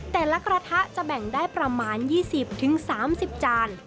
แต่ละกระทะจะแบ่งได้ประมาณ๒๐๓๐จาน